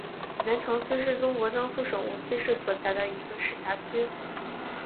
南长区是中国江苏省无锡市所辖的一个市辖区。